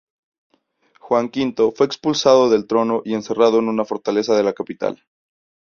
Juan V fue expulsado del trono y encerrado en una fortaleza de la capital.